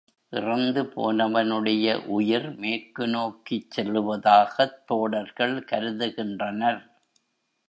இறந்துபோனவனுடைய உயிர் மேற்கு நோக்கிச் செல்லுவதாகத் தோடர்கள் கருதுகின்றனர்.